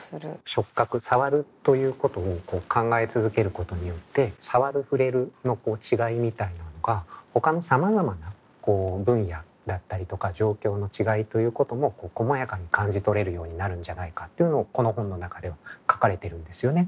触覚さわるということを考え続けることによってさわるふれるの違いみたいなのがほかのさまざまな分野だったりとか状況の違いということもこまやかに感じ取れるようになるんじゃないかというのをこの本の中では書かれてるんですよね。